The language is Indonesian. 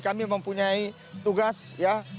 kami mempunyai tugas ya